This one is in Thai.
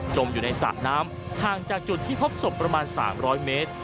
อยู่ในสระน้ำห่างจากจุดที่พบศพประมาณ๓๐๐เมตร